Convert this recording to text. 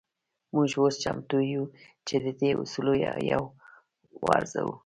موږ اوس چمتو يو چې د دې اصولو يو وارزوو.